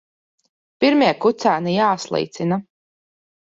Pirmie kucēni jāslīcina.